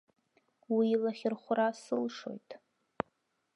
Уи лахьырхәра сылшоит.